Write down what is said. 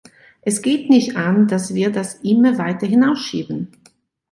Es geht nicht an, dass wir das immer weiter hinausschieben.